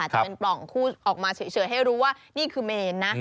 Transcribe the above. จะเป็นปล่องคู่ออกมาเฉยให้รู้ว่านี่คือเมนนะ